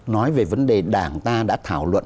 nói về vấn đề đảng ta đã thảo luận